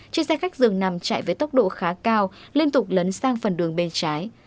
chiếc xe khách dường nằm chạy với tốc độ khá cao liên tục lấn sang phần đường bên trái